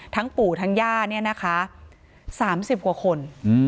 ปู่ทั้งย่าเนี่ยนะคะ๓๐กว่าคน